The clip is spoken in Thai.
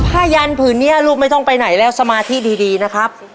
ยันผืนนี้ลูกไม่ต้องไปไหนแล้วสมาธิดีนะครับ